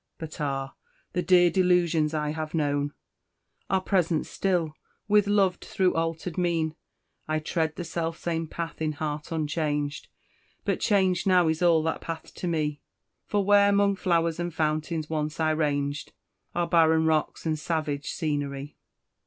But ah! the dear delusions I have known Are present still, with loved though altered mien: I tread the selfsame path in heart unchanged; But changed now is all that path to me, For where 'mong flowers and fountains once I ranged Are barren rocks and savage scenery!"